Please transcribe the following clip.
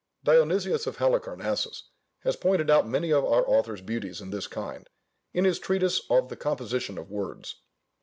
Dionysius of Halicarnassus has pointed out many of our author's beauties in this kind, in his treatise of the Composition of Words.